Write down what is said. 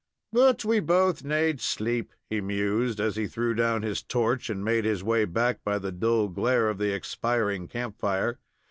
"But we both naad sleep," he mused, as he threw down his torch, and made his way back by the dull glare of the expiring camp fire.